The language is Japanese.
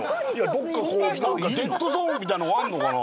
どっかこう何かデッドゾーンみたいなのがあるのかな？